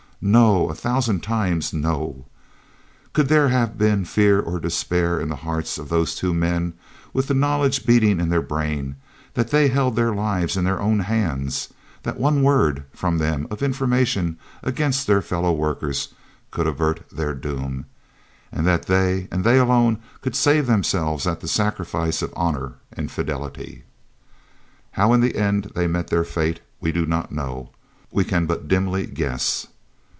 No a thousand times, No! Could there have been fear or despair in the hearts of those two men, with the knowledge beating in their brains that they held their lives in their own hands, that one word from them of information against their fellow workers could avert their doom, and that they, and they alone, could save themselves at the sacrifice of honour and fidelity? How in the end they met their fate we do not know we can but dimly guess.